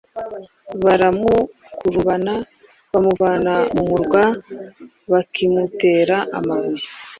baramukurubana bamuvana mu murwa“ Bakimutera amabuye,